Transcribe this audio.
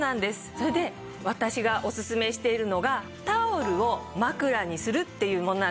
それで私がおすすめしているのがタオルを枕にするっていうものなんですけれども。